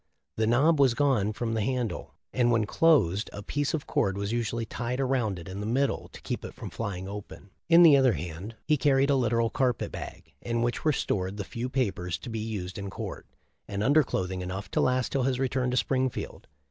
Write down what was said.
The knob was gone from the handle, and when closed a piece of cord was usually tied around it in the middle to keep it from flying open. In the other hand he carried a literal carpet bag, in which were stored the few papers to be used in court, and undercloth ing enough to last till his return to Springfield.